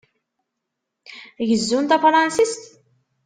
Gezzun tafṛensist?